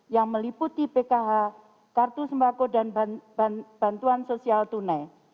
yang meliputi pkh kartu sembako dan bantuan sosial tunai